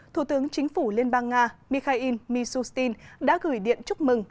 thủ tướng chính phủ liên bang nga mikhail misustin đã gửi điện chúc mừng